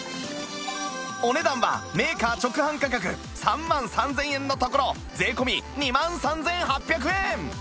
お値段はメーカー直販価格３万３０００円のところ税込２万３８００円